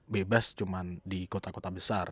bebas cuma di kota kota besar